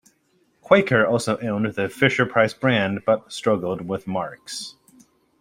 Quaker also owned the Fisher-Price brand, but struggled with Marx.